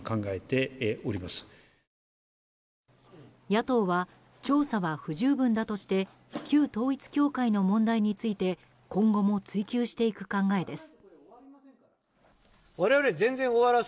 野党は、調査は不十分だとして旧統一教会の問題について今後も追及していく考えです。